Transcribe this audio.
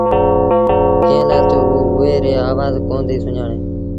ڪݩهݩ لآ تا او اُئي ريٚ آوآز ڪوندينٚ سُڃآڻيݩ۔